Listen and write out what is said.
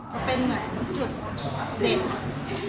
เป็นเหมือนกุ๋ยุทธ์เด็ก